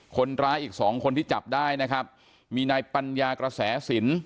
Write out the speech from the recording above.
คนร้ายอีกสองคนที่จับได้นะครับมีนายปัญญากระแสสิน